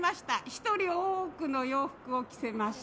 一人大奥の洋服を着せました。